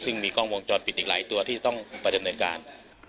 ซึ่งมีกองวงจรปิดอีกหลายตัวที่ต้องประดบเหนือการ